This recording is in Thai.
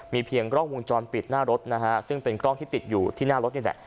เพียงกล้องวงจรปิดหน้ารถนะฮะซึ่งเป็นกล้องที่ติดอยู่ที่หน้ารถนี่แหละ